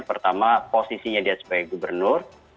pertama posisinya dia sebagai gubernur